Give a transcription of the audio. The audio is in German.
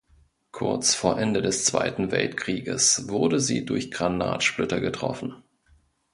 Kurz vor Ende des Zweiten Weltkrieges wurde sie durch Granatsplitter getroffen.